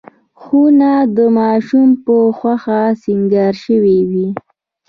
خونه د ماشوم په خوښه سینګار شوې وي.